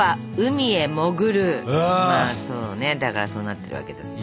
まあそうねだからそうなってるわけですよね。